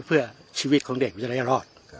เพื่อชีวิตของเด็กมันจะได้รอด